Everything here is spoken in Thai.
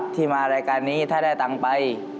ที่มารายการนี้ถ้าได้ตังค์ไป